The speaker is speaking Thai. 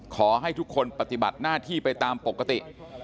ขอให้ทุกคนปฏิบัติหน้าที่ไปตามปกติ